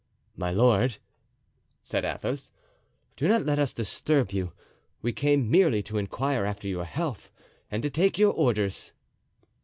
"My lord," said Athos, "do not let us disturb you. We came merely to inquire after your health and to take your orders."